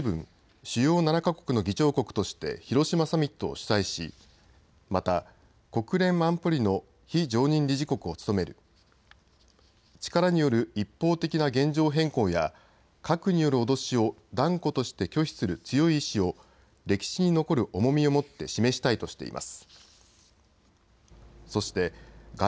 ・主要７か国の議長国として広島サミットを主催しまた国連安保理の非常任理事国を務め、力による一方的な現状変更や核による脅しを断固として拒否する強い意思を歴史に残る重みをもって示したいとしています。